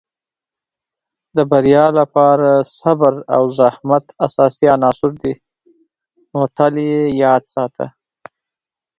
د بریا لپاره صبر او زحمت اساسي عناصر دي، نو تل یې یاد ساته.